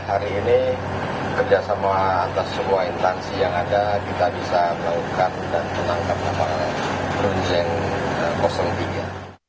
hari ini kerjasama atas semua intansi yang ada kita bisa melakukan dan menangkap kapal berusia yang kosong tiga